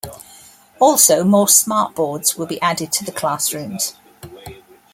Also, more SmartBoards will be added to the classrooms.